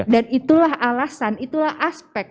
dan itulah alasan itulah aspek